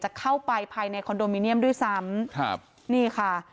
จะเข้าไปภายในคอนโดมิเนียมด้วยซ้ำ